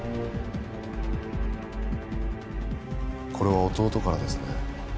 これは弟からですね